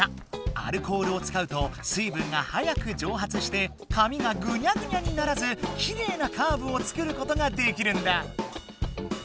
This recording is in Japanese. アルコールを使うと水分が早くじょうはつして紙がグニャグニャにならずきれいなカーブを作ることができるんだ。